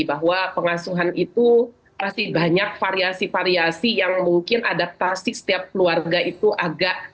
bahwa pengasuhan itu masih banyak variasi variasi yang mungkin adaptasi setiap keluarga itu agak